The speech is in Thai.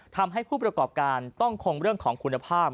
ทำให้ผู้ประกอบการต้องคงเรื่องของคุณภาพ